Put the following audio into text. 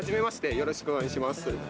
よろしくお願いします。